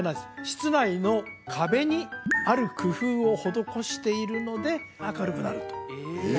室内の壁にある工夫を施しているので明るくなるとえ？